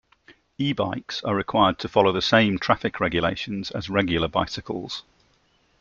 E-bikes are required to follow the same traffic regulations as regular bicycles.